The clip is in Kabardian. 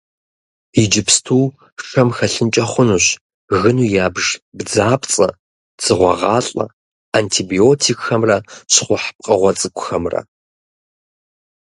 Иджыпсту шэм хэлъынкӀэ хъунущ гыну ябж бдзапцӀэ, дзыгъуэгъалӀэ, антибиотикхэмрэ щхъухь пкъыгъуэ цӀыкӀухэмрэ.